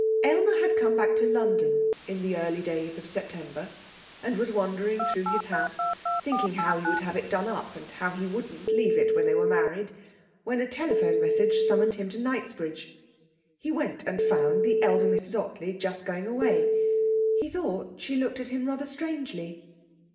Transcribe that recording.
Aylmer had come back to London in the early days of September and was wandering through his house thinking how he would have it done up and how he wouldn't leave it when they were married, when a telephone message summoned him to Knightsbridge. He went, and found the elder Mrs Ottley just going away. He thought she looked at him rather strangely.